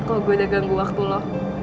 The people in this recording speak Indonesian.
kok gue udah ganggu waktu lo